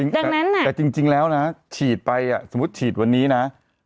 แต่จริงแล้วนะฉีดไปอ่ะสมมติฉีดวันนี้นะ